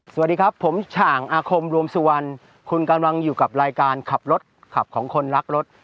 สวัสดีครับผมฉ่างอาคมรวมสุวรรณคุณกำลังอยู่กับรายการขับรถขับของคนรักรถ